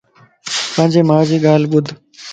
پانجي مان جي ڳالھه ٻڌ